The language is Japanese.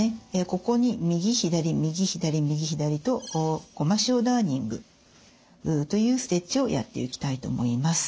ここに右左右左右左とゴマシオダーニングというステッチをやっていきたいと思います。